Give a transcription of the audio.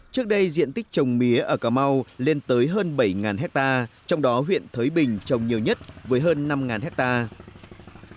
trước đây diện tích trồng mía ở cà mau lên tới hơn bảy hectare trong đó huyện thới bình trồng nhiều nhất với hơn năm hectare